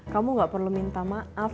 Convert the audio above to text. kamu gak perlu minta maaf